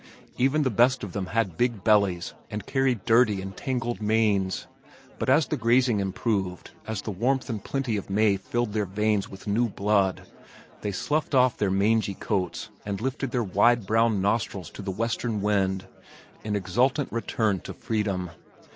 Even the best of them had big bellies and carried dirty and tangled manes, but as the grazing improved, as the warmth and plenty of May filled their veins with new blood, they sloughed off their mangy coats and lifted their wide blown nostrils to the western wind in exultant return to freedom.